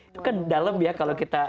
itu kan dalam ya kalau kita